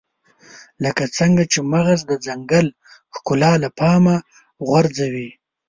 لکه څنګه چې مغز د ځنګل ښکلا له پامه غورځوي.